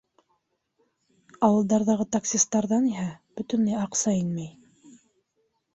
Ауылдарҙағы таксистарҙан иһә бөтөнләй аҡса инмәй.